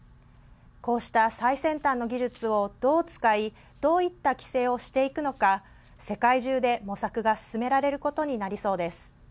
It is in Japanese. こうした最先端の技術をどう使いどういった規制をしていくのか世界中で模索が進められることになりそうです。